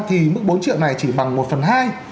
thì mức bốn triệu này chỉ bằng một phần hai